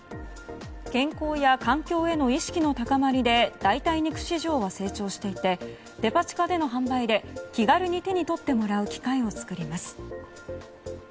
健康や環境への意識の高まりで代替肉市場は成長していてデパ地下での販売で気軽に手に取ってもらう機会を作ります。